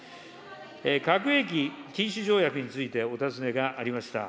核兵器禁止条約について、お尋ねがありました。